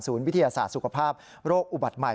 วิทยาศาสตร์สุขภาพโรคอุบัติใหม่